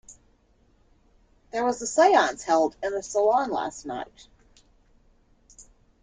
There was a seance held in the salon last night.